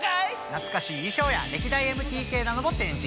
なつかしい衣装や歴代ＭＴＫなども展示。